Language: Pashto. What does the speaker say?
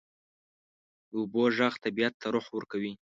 د اوبو ږغ طبیعت ته روح ورکوي.